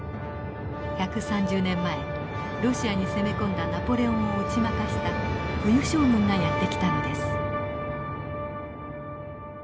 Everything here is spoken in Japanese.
１３０年前ロシアに攻め込んだナポレオンを打ち負かした冬将軍がやって来たのです。